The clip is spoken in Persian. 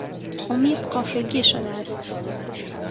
امید غافگیر شده است